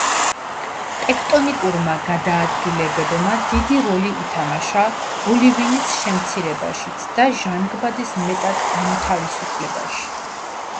ტექტონიკურმა გადაადგილებებმა დიდი როლი ითამაშა ოლივინის შემცირებაშიც და ჟანგბადის მეტად გამოთავისუფლებაში.